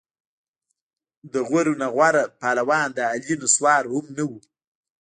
د غورو نه غوره پهلوان د علي نسوار هم نه وو.